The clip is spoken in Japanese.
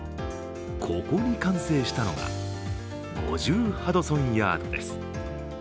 ここに完成したのが５０ハドソンヤードです。